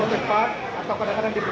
tidak kedengeran tuhan